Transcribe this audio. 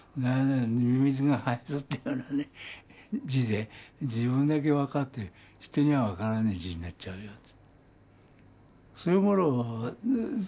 ミミズがはいずったようなね字で自分だけ分かって人には分からない字になっちゃうよって。